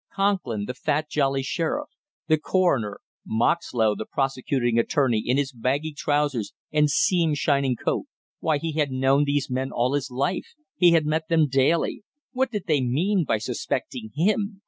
Conklin, the fat jolly sheriff; the coroner; Moxlow, the prosecuting attorney in his baggy trousers and seam shining coat, why, he had known these men all his life, he had met them daily, what did they mean by suspecting him!